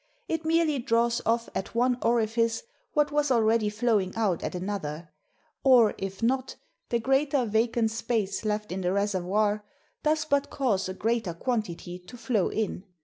It merely draws off at one orifice what was already flowing out at another; or, if not, the greater vacant space left in the reservoir does but cause a greater quantity to flow in.